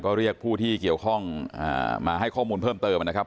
ก็เรียกผู้ที่เกี่ยวข้องมาให้ข้อมูลเพิ่มเติมนะครับ